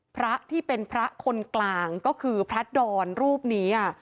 พระที่เป็นพระคนกลางก็คือพระดอนรูปนี้